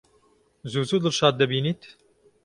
زوو زوو دڵشاد دەبینیت؟